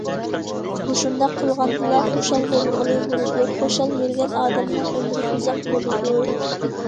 مۇشۇنداق قىلغاندىلا خۇشال بولغىلى بولىدۇ، خۇشال يۈرگەن ئادەمنىڭ ئۆمرى ئۇزاق بولىدۇ.